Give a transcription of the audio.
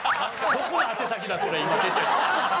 どこの宛先だそれ今出てんの。